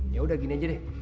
yaudah gini aja deh